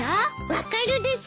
分かるです。